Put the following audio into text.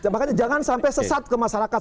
makanya jangan sampai sesat ke masyarakat